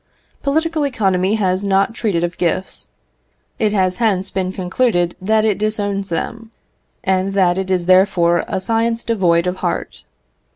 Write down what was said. Political economy has not treated of gifts. It has hence been concluded that it disowns them, and that it is therefore a science devoid of heart.